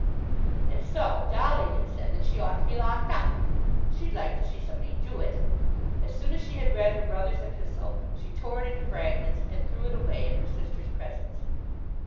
And so Dolly had said that she ought to be locked up! She'd like to see somebody do it! As soon as she had read her brother's epistle she tore it into fragments and threw it away in her sister's presence.